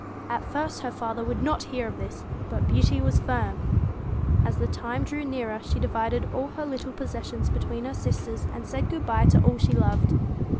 At first her father would not hear of this, but Beauty was firm. As the time drew near she divided all her little possessions between her sisters, and said good bye to all she loved.